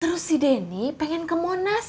terus si denny pengen kemana aja